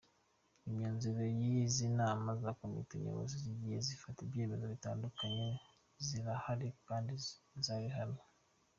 Imyanzuro y’izi nama za Komite Nyobozi zagiye zifata ibyemezo bitandukanye zirahari kandi zabihamya.